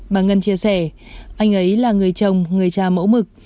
bà ngân chia sẻ anh ấy là người chồng người cha mẫu mực